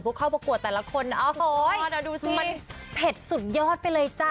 เข้าประกวดแต่ละคนโอ้โหดูสิมันเผ็ดสุดยอดไปเลยจ้ะ